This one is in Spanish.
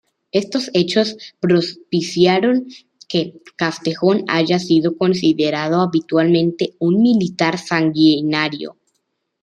Estos hechos propiciaron que Castejón haya sido considerado habitualmente un militar sanguinario.